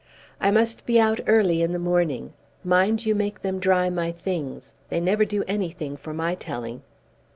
"I must be out early in the morning. Mind you make them dry my things. They never do anything for my telling."